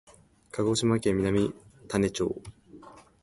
鹿児島県南種子町